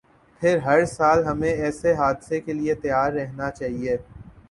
پھر ہرسال ہمیں ایسے حادثے کے لیے تیار رہنا چاہیے۔